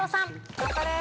頑張れ！